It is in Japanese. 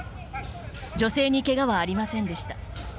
女性にケガはありませんでした。